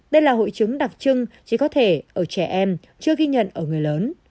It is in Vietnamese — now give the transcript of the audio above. đây là hội chứng đặc trưng chỉ có thể ở trẻ em chưa ghi nhận ở người lớn